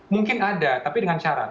mungkin ada tapi dengan syarat